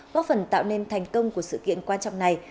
góp phần tạo nên thành công của sự kiện quan trọng này